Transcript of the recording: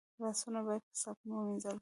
لاسونه باید په صابون ومینځل شي